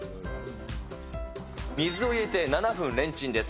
水を入れて７分レンチンです。